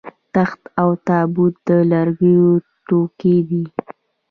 تخت او تابوت د لرګیو توکي دي